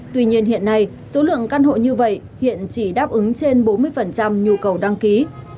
tuy nhiên hiện nay số lượng căn hộ như vậy hiện chỉ đáp ứng trên bốn mươi nhu cầu đăng ký